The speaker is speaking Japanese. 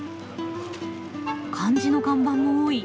漢字の看板も多い。